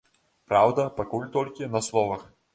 Праўда, пакуль толькі на словах.